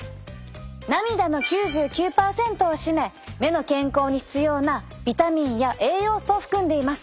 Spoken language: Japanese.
涙の９９％を占め目の健康に必要なビタミンや栄養素を含んでいます。